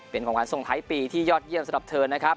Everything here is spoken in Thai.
เป็นของขวัญส่งท้ายปีที่ยอดเยี่ยมสำหรับเธอนะครับ